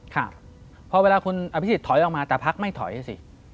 ครับพอเวลาคุณอภิษฎถอยออกมาแต่พักไม่ถอยสิ